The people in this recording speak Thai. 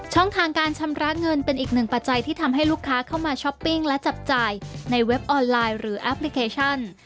ทางการชำระเงินเป็นอีกหนึ่งปัจจัยที่ทำให้ลูกค้าเข้ามาช้อปปิ้งและจับจ่ายในเว็บออนไลน์หรือแอปพลิเคชัน